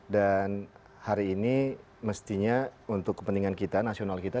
dan hari ini mestinya untuk kepentingan kita nasional kita